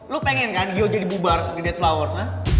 lo pengen kan gio jadi bubar di dead flowers